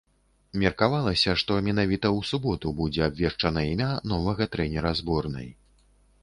Меркавалася, што менавіта ў суботу будзе абвешчана імя новага трэнера зборнай.